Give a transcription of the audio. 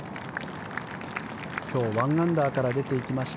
今日１アンダーから出ていきました。